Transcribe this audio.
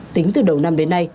tính từ đầu năm đến nay